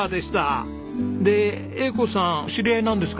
で栄子さん知り合いなんですか？